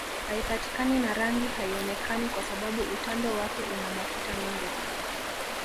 Haipatikani na rangi haionekani kwa sababu utando wake una mafuta mengi